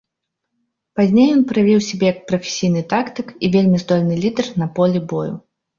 Пазней ён праявіў сябе як прафесійны тактык і вельмі здольны лідар на полі бою.